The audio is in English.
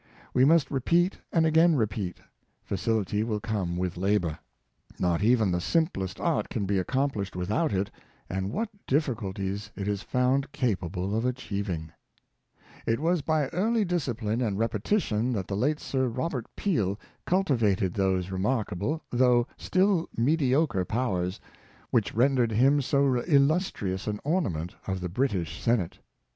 We must repeat and again repeat, facility will come with labor. Not even the simplest art can be accomplished without it, and what difficulties it is found capable of achievin^r ! 15 226 Cheerfulness. It was by early discipline and repetition that the late Sir Robert Peel cultivated those remarkable, though still mediocre powers, which rendered him so illustrious an ornament of the British Senate.